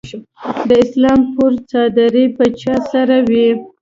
د اسلام پور څادرې به چا سره وي؟